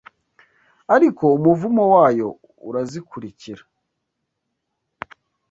ariko umuvumo wayo urazikurikira.